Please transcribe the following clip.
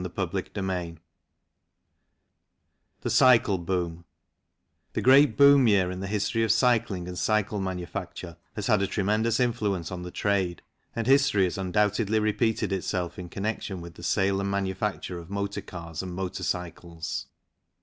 CHAPTER XI THE CYCLE BOOM THE great boom year in the history of cycling and cycle manufacture has had a tremendous influence on the trade, and history has undoubtedly repeated itself in connection with the sale and manufacture of motor cars and motor cycles.